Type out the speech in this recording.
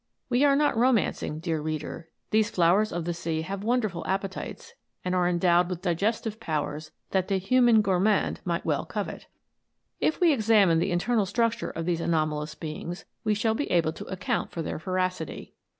We are not romancing, dear reader, these flowers of the * Actinia Dianthus. ANIMATED FLOWERS. 133 sea have wonderful appetites, and are endowed with digestive powers that the human gourmand might well covet. If we examine the internal structure of these anomalous beings, we shall be able to ac count for their voracity.